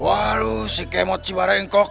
wah lu si kemot si bareng kok